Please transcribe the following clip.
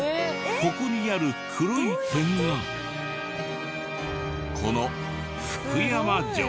ここにある黒い点がこの福山城。